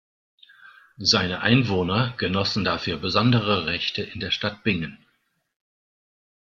Seine Einwohner genossen dafür besondere Rechte in der Stadt Bingen.